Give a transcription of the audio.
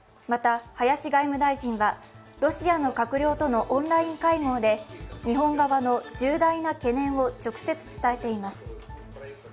また林外務大臣はロシアの閣僚とのオンライン会合で日本側の重大な懸念を直接伝えています